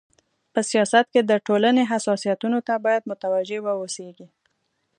په سیاست کي د ټولني حساسيتونو ته بايد متوجي و اوسيږي.